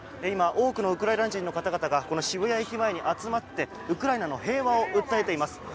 今、多くのウクライナ人の方々が渋谷駅前に集まってウクライナの平和を訴えています。